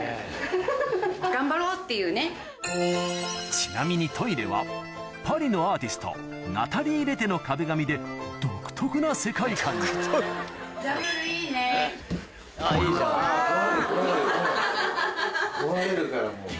ちなみにトイレはパリのアーティストナタリーレテの壁紙で独特な世界観に壊れるからもう。